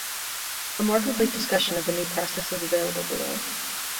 A more complete discussion of the new process is available below.